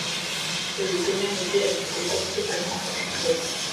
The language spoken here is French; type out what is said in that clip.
Le domaine était, à cette époque, totalement agricole.